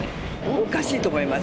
おかしいと思います。